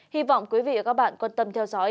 hy vọng quý vị và các bạn quan tâm theo dõi